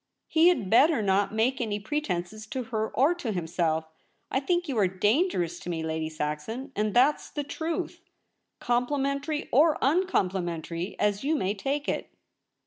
' He had better not make any pretences to her or to himself I think you are dangerous to me, Lady Saxon, and that's the truth — complimentary or uncomplimentary, as you may take it.'